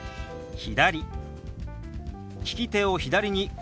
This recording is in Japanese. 「左」。